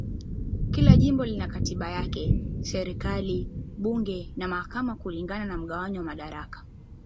Kila jimbo lina katiba yake, serikali, bunge na mahakama kulingana na mgawanyo wa madaraka.